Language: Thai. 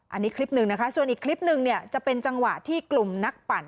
อันนี้คลิปหนึ่งนะคะส่วนอีกคลิปหนึ่งเนี่ยจะเป็นจังหวะที่กลุ่มนักปั่น